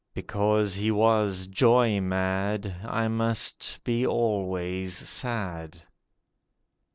Because he was joy mad, I must be always sad.